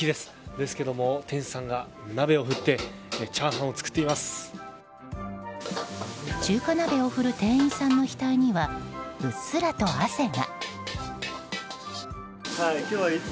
ですけれども店員さんが鍋を振って中華鍋を振る店員さんの額にはうっすらと汗が。